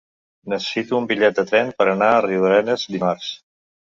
Necessito un bitllet de tren per anar a Riudarenes dimarts.